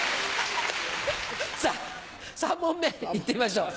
さぁ３問目いってみましょう。